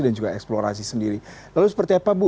dan juga eksplorasi sendiri lalu seperti apa ibu